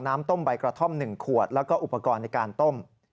น้ำต้มใบกระท่อม๑ขวดแล้วก็อุปกรณ์ในการต้ม